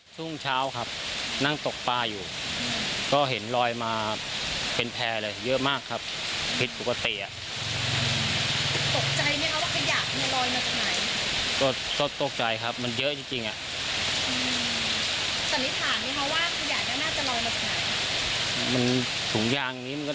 เพราะที่อื่นนี่ไม่ใช้ขนาดนี้หรอก